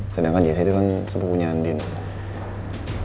sedangkan jc itu kan sepupunya andin